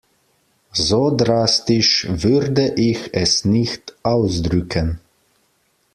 So drastisch würde ich es nicht ausdrücken.